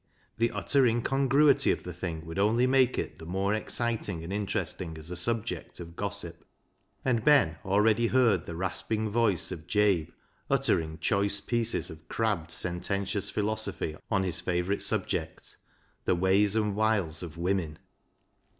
The utter incongruity of the thing would only make it the more exciting and interesting as a subject of gossip ; and Ben already heard the rasping voice of Jabe uttering choice pieces of crabbed, sententious philosophy on his favourite subject — the ways and wiles of women.